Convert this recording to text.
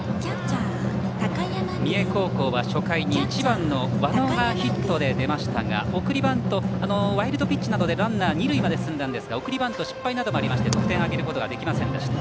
三重高校は初回１番の輪野がヒットで出ましたが、送りバントワイルドピッチなどでランナー、二塁まで進みましたが送りバント失敗などもありまして得点を挙げることができませんでした。